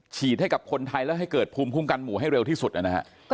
ฉีดให้กับคนไทยแล้วให้เกิดภูมิคุ้มกันหมู่ให้เร็วที่สุดนะฮะ